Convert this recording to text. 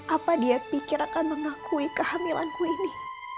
apa dia pikir akan mengakui kehamilanku ini